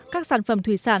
các sản phẩm thủy sản